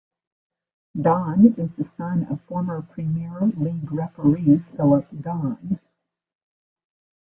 Don is the son of former Premier League referee Philip Don.